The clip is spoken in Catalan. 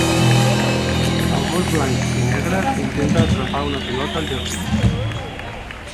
El gos blanc i negre intenta atrapar una pilota al jardí.